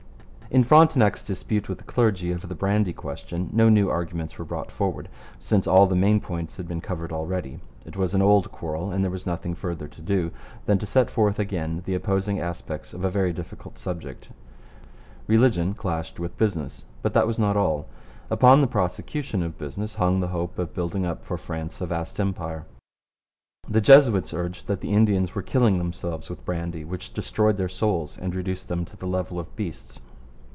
In Frontenac's dispute with the clergy over the brandy question no new arguments were brought forward, since all the main points had been covered already. It was an old quarrel, and there was nothing further to do than to set forth again the opposing aspects of a very difficult subject. Religion clashed with business, but that was not all. Upon the prosecution of business hung the hope of building up for France a vast empire. The Jesuits urged that the Indians were killing themselves with brandy, which destroyed their souls and reduced them to the level of beasts.